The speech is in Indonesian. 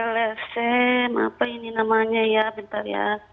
lesem apa ini namanya ya bentar ya